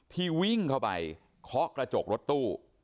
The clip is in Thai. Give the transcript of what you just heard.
วิ่งเข้าไปเคาะกระจกรถตู้